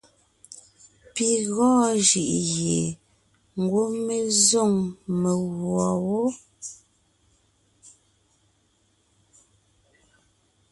Pi gɔɔn jʉʼ gie ngwɔ́ mé zôŋ meguɔ wó.